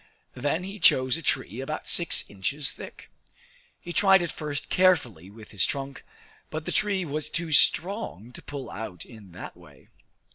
Then he chose a tree about six inches thick. He tried it first carefully with his trunk; but the tree was too strong to pull out in that way.